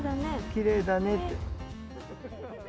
きれいだねって。